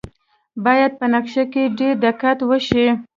باید په نقشه کې ډیر دقت وشي